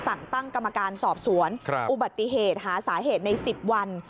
สั่งตั้งกรรมการสอบสวนอุบัติเหตุหาสาเหตุใน๑๐วัน